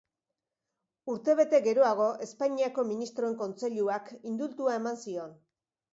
Urtebete geroago, Espainiako Ministroen Kontseiluak indultua eman zion.